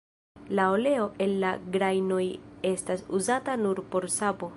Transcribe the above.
La oleo el la grajnoj estas uzata nur por sapo.